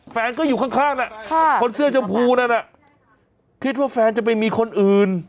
แฟนก็อยู่ข้างแหละคนเสื้อชมพูนั่นน่ะคิดว่าแฟนจะไปมีคนอื่น